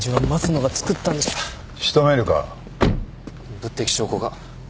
物的証拠が。